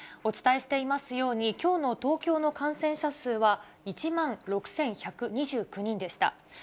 お伝えしていますように、きょうの東京の感染者数は１万６１２９人でした。